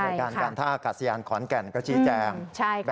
ผู้มนวยการการท่ากัศยานขอนแก่งก็ชี้แจงใช่ค่ะ